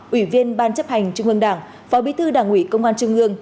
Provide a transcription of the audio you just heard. ủy viên ban chấp hành trung ương đảng phó bí thư đảng ủy công an trung ương